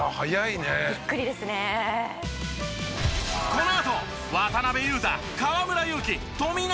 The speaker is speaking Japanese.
このあと渡邊雄太河村勇輝富永